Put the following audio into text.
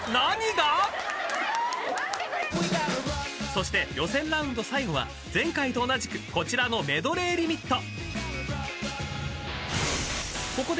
［そして予選ラウンド最後は前回と同じくこちらのメドレーリミット］